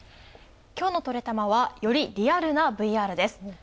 きょうのトレたまはよりリアルなＶＲです。